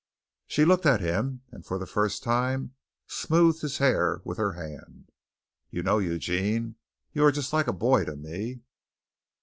She looked at him, and for the first time smoothed his hair with her hand. "You know, Eugene, you're just like a boy to me."